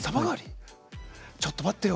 ちょっと待ってよ。